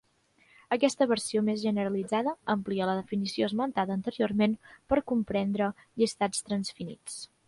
Aquesta versió més generalitzada amplia la definició esmentada anteriorment per comprendre llistats transfinits.